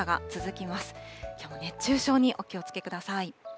きょうも熱中症にお気をつけください。